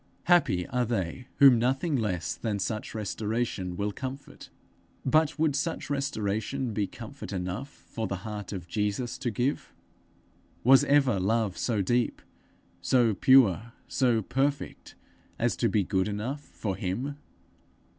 "' Happy are they whom nothing less than such restoration will comfort! But would such restoration be comfort enough for the heart of Jesus to give? Was ever love so deep, so pure, so perfect, as to be good enough for him?